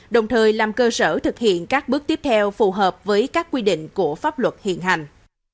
đồng thời làm cơ sở thực hiện các bước tiếp theo phù hợp với các quy định của pháp luật hiện hành